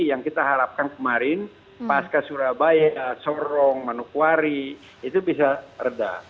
yang kita harapkan kemarin pas ke surabaya sorong manukwari itu bisa reda